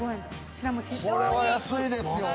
これは安いですよ。